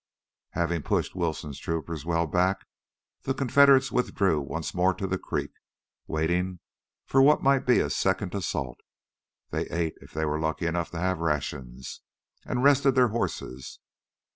Having pushed Wilson's troopers well back, the Confederates withdrew once more to the creek, waiting for what might be a second assault. They ate, if they were lucky enough to have rations, and rested their horses.